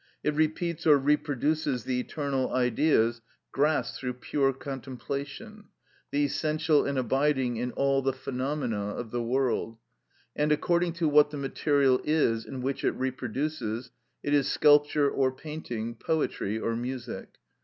It repeats or reproduces the eternal Ideas grasped through pure contemplation, the essential and abiding in all the phenomena of the world; and according to what the material is in which it reproduces, it is sculpture or painting, poetry or music.